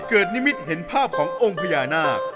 นิมิตเห็นภาพขององค์พญานาค